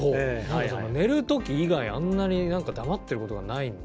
寝る時以外あんなに何か黙ってることがないんで。